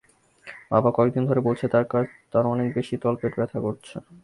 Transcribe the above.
বাবা কয়েকদিন ধরে বলছে তার অনেক বেশি তলপেট ব্যথা করছে।